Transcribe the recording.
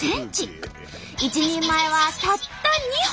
一人前はたった２本！